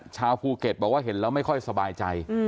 ชาวภูเก็ตบอกว่าเห็นแล้วไม่ค่อยสบายใจ